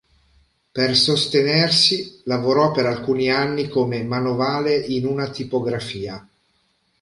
Per sostenersi, lavorò per alcuni anni come manovale in una tipografia.